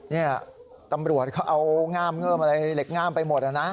นี่ตำรวจเขาเอาง่ามเงิ่มอะไรเหล็กงามไปหมดนะ